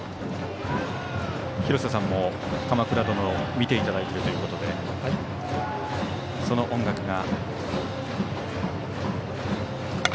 廣瀬さんも「鎌倉殿」を見ていただいているということでその音楽が。